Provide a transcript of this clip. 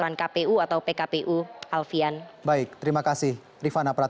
namun jika memang usulan dari pemilu ini akan dibahas bersama dengan pemerintah yakni pemilu